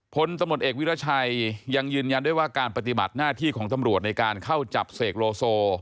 พลตำรวจเอกวิราชัยยังยืนยันด้วยว่าการปฏิบัติหน้าที่ของตำรวจในการเข้าจับเสกโลโซ